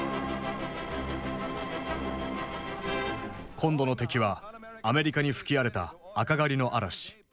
今度の敵はアメリカに吹き荒れた「赤狩り」の嵐。